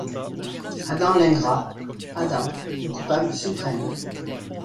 Adam l’ingrat, Adam, le coupable suprême